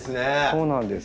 そうなんです。